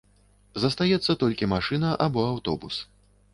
Застаецца толькі машына або аўтобус.